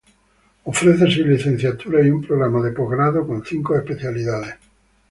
Ofrece seis licenciaturas y un programa de posgrado con cinco especialidades.